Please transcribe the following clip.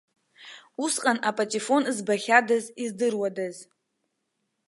Усҟан апатифон збахьадаз, издыруадаз.